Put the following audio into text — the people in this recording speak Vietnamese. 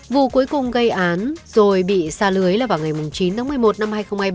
vụ cuối cùng gây án rồi bị xa lưới là vào ngày chín tháng một mươi một năm hai nghìn hai mươi ba